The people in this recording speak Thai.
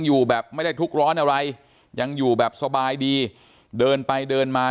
อยู่แบบไม่ได้ทุกร้อนอะไรยังอยู่แบบสบายดีเดินไปเดินมา